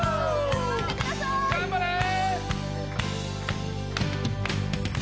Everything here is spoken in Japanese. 頑張ってくださーい頑張れー！